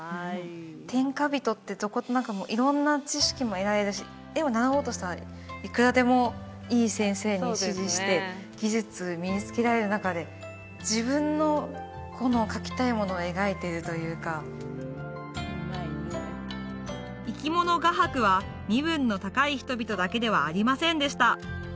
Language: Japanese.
天下人ってどことなく色んな知識も得られるし絵を習おうとしたらいくらでもいい先生に師事して技術身に付けられる中で自分の描きたいものを描いているというか生き物画伯は身分の高い人々だけではありませんでした